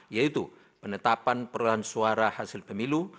yaitu penetapan perolahan suara hasil pemilu